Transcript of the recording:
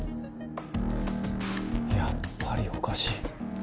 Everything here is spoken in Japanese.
やっぱりおかしい。